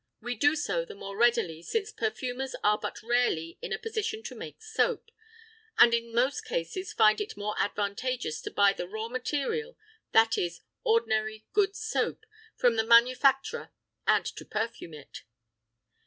We do so the more readily since perfumers are but rarely in a position to make soap, and in most cases find it more advantageous to buy the raw material, that is, ordinary good soap, from the manufacturer and to perfume it.